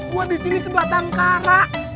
gue di sini sebelah tangkara